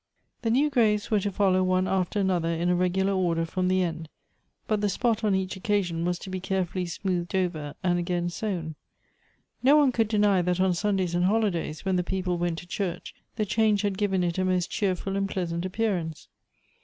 The new graves were to follow one after another in a regular order from the end, but the spot on each occasion was to be carefully smoothed over and again sown. No one could deny that on Sundays and holidays, when the people went to church, the change had given it a most cheerful and pleasant appearance.